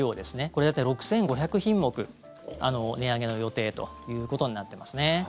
これ、大体６５００品目値上げの予定ということになってますね。